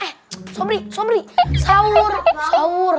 eh sobri sahur